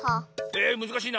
えむずかしいな。